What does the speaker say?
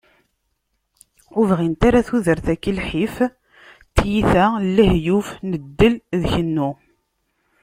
Ur bɣint ara tudert-aki n lḥif, n tyita, n lahyuf, n ddel d kennu.